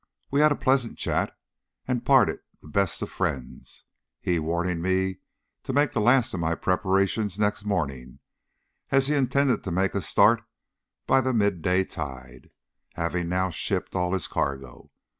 We had a pleasant chat and parted the best of friends, he warning me to make the last of my preparations next morning, as he intended to make a start by the midday tide, having now shipped all his cargo.